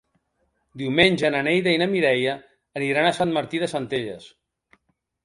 Diumenge na Neida i na Mireia aniran a Sant Martí de Centelles.